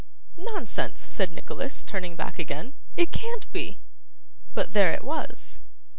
'Nonsense!' said Nicholas, turning back again. 'It can't be.' But there it was.